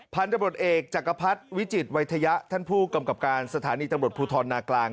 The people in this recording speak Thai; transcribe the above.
พันธบทเอกจักรพรรดิวิจิตรวัยทยะท่านผู้กำกับการสถานีตำรวจภูทรนากลาง